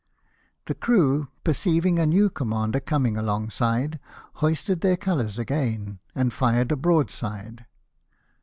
The crew, perceiving a new commander coming alongside, hoisted their colours again, and fired a broadside.